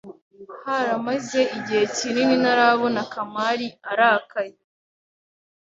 Haramaze igihe kinini ntarabona Kamari arakaye.